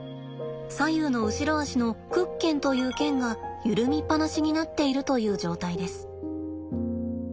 左右の後ろ足の屈腱という腱が緩みっぱなしになっているという状態です。